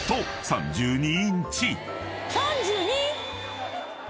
３２⁉